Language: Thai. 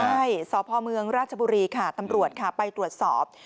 ใช่สพเมืองราชบุรีค่ะตำรวจค่ะไปตรวจสอบ